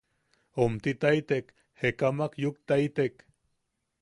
Omtitaitek, jekamak yuktaitek.